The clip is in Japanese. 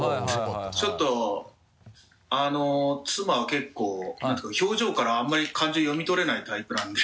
ちょっと妻結構何て言うか表情からあんまり感情読み取れないタイプなんで。